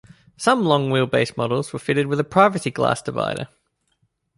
Some long-wheelbase models were fitted with a privacy glass divider.